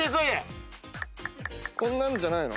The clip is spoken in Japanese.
こんなんじゃないの？